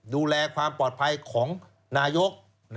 ดูแลความปลอดภัยของนายก